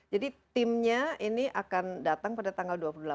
jadi timnya ini akan datang pada tanggal dua puluh delapan